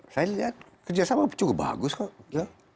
saya lihat kerjasama cukup bagus kok